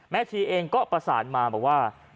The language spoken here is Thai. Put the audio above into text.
แม่ชีเองก็ประสานมาว่า